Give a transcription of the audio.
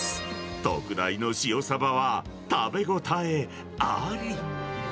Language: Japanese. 特大の塩サバは食べ応えあり。